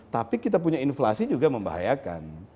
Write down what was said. tapi kita punya inflasi juga membahayakan